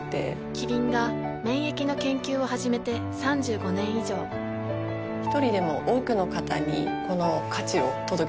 キリンが免疫の研究を始めて３５年以上一人でも多くの方にこの価値を届けていきたいと思っています。